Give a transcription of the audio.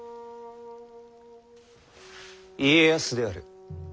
家康である。